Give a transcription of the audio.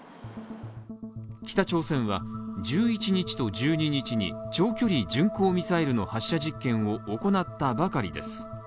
北朝鮮は１１日と１２日に長距離巡航ミサイルの発射実験を行ったばかりです